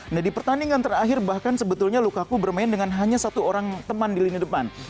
nah di pertandingan terakhir bahkan sebetulnya lukaku bermain dengan hanya satu orang teman di lini depan